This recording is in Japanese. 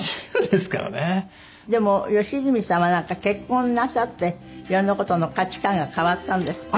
でも良純さんはなんか結婚なさっていろんな事の価値観が変わったんですって？